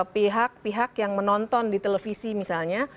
pihak pihak yang menonton di televisi misalnya